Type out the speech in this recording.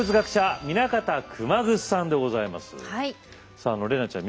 さああの怜奈ちゃん